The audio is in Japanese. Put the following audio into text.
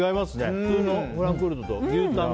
普通のフランクフルトと。